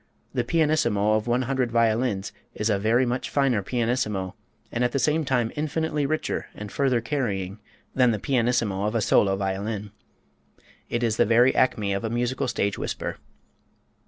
The pianissimo of one hundred violins is a very much finer pianissimo and at the same time infinitely richer and further carrying than the pianissimo of a solo violin. It is the very acme of a musical stage whisper.